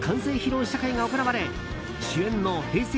試写会が行われ主演のＨｅｙ！